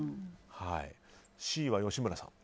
Ｃは吉村さん。